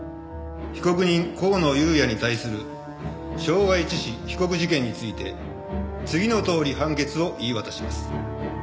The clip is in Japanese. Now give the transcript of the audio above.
被告人香野裕哉に対する傷害致死被告事件について次のとおり判決を言い渡します。